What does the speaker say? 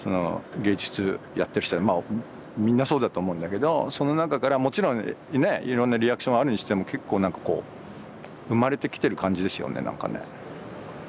芸術やってる人はまあみんなそうだと思うんだけどその中からもちろんねいろんなリアクションあるにしても結構なんかこう生まれてきてる感じですよねなんかね。